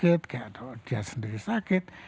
dia sendiri sakit kayak dia sendiri sakit